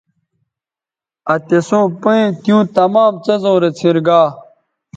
آ تِسوں پیئں تیوں تمام څیزوں رے څھنرگا